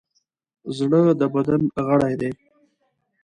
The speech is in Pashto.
زړه د بدن غړی دی.